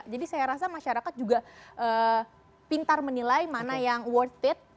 jadi saya rasa masyarakat juga pintar menilai mana yang worth it